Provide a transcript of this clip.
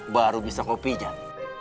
baru bisa kau pijat